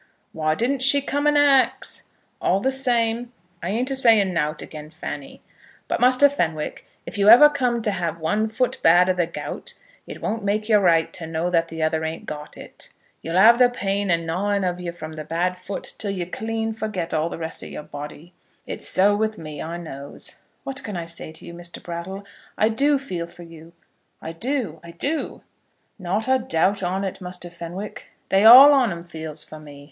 "Why didn't she come and ax? All the same, I ain't a saying nowt again Fanny. But, Muster Fenwick, if you ever come to have one foot bad o' the gout, it won't make you right to know that the other ain't got it. Y'll have the pain a gnawing of you from the bad foot till you clean forget all the rest o' your body. It's so with me, I knows." "What can I say to you, Mr. Brattle? I do feel for you. I do, I do." "Not a doubt on it, Muster Fenwick. They all on 'em feels for me.